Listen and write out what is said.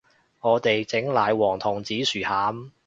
我哋整奶黃同紫薯餡